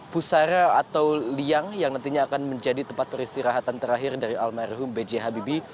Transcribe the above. pusara atau liang yang nantinya akan menjadi tempat peristirahatan terakhir dari almerhum bghbb